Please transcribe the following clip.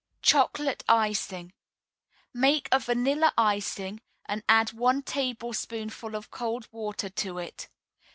CHOCOLATE ICING Make a vanilla icing, and add one tablespoonful of cold water to it.